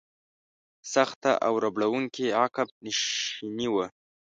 سخته او ربړونکې عقب نشیني وه.